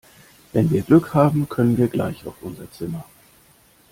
Wenn wir Glück haben können wir gleich auf unsere Zimmer.